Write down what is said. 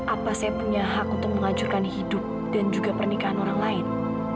apa saya punya hak untuk menghancurkan hidup dan juga pernikahan orang lain